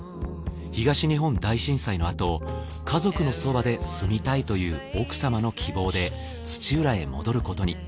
東日本大震災のあと家族のそばで住みたいという奥様の希望で土浦へ戻ることに。